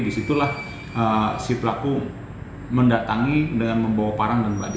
disitulah si pelaku mendatangi dengan membawa parang dan batik